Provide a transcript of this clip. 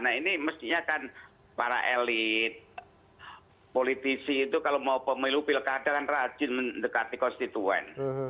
nah ini mestinya kan para elit politisi itu kalau mau pemilu pilkada kan rajin mendekati konstituen